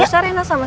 bisa did sinne